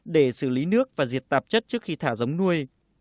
để xử lý nước và diệt tạp chất trước khi thả giống nuôi